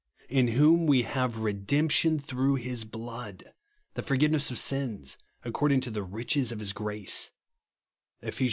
"In whom ^ue have redemption through his blood, the forgiveness of sins, according to the riches of his grace," (Eph. i.